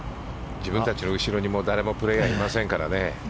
自分たちの後ろに誰もプレーヤーいませんからね。